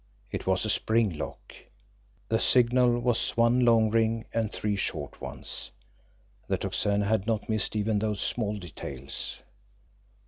It was a spring lock; the signal was one long ring and three short ones the Tocsin had not missed even those small details.